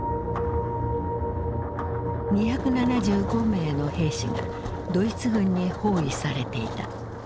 ２７５名の兵士がドイツ軍に包囲されていた。